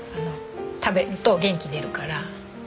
食べると元気が出るから。